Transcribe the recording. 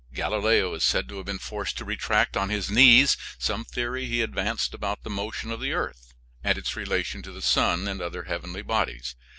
Galileo is said to have been forced to retract, on his knees, some theory he advanced about the motion of the earth, and its relation to the sun and other heavenly bodies.